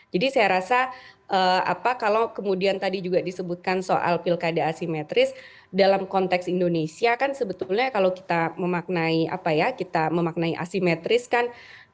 jadi saya rasa apa kalau kemudian tadi juga disebutkan soal pilkade asimetris dalam konteks indonesia kan sebetulnya kalau kita memaknai apa ya kita memaknai asimetris kan